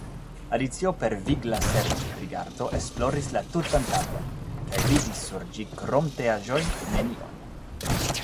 Alicio per vigla serĉrigardo esploris la tutan tablon, kaj vidis sur ĝikrom teaĵojnenion.